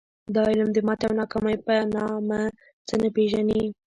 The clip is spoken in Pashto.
دا علم د ماتې او ناکامۍ په نامه څه نه پېژني